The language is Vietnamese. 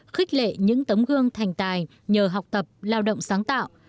khích lệ những tấm gương thành tài nhờ học tập lao động sáng tạo